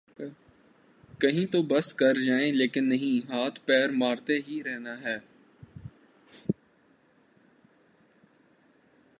کہیں تو بس کر جائیں لیکن نہیں ‘ ہاتھ پیر مارتے ہی رہنا ہے۔